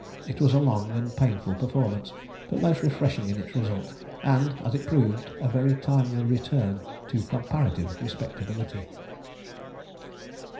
It was a long and painful performance, but most refreshing in its result, and, as it proved, a very timely return to comparative respectability.